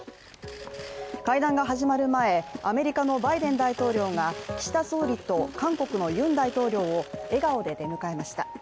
会談が始まる前、アメリカのバイデン大統領が岸田総理と韓国のユン大統領を笑顔で出迎えました。